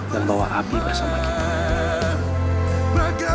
dan bawa api bersama kita